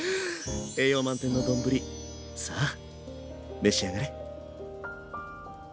栄養満点の丼さあ召し上がれ。